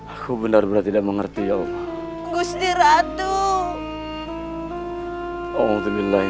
aku benar benar tidak mengerti ya allah